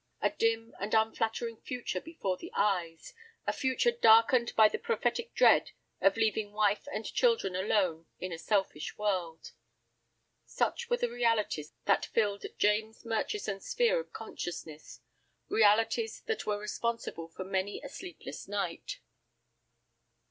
A dim and unflattering future before the eyes, a future darkened by the prophetic dread of leaving wife and children alone in a selfish world. Such were the realities that filled James Murchison's sphere of consciousness, realities that were responsible for many a sleepless night.